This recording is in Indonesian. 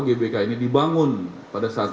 gbk ini dibangun pada saat